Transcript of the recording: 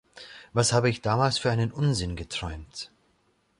Was habe ich damals für einen Unsinn geträumt!